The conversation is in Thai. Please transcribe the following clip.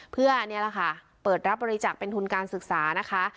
เพื่อเปิดรับบริจักษ์เป็นทุนการศึกษานะคะ